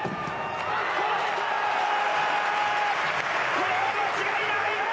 これは間違いない！